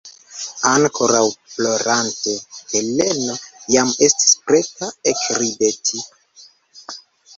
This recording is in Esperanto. Ankoraŭ plorante, Heleno jam estis preta ekrideti.